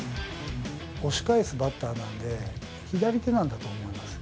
押し返すバッターなので、左手なんだと思います。